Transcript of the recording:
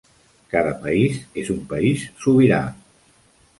Cada país és un país sobirà.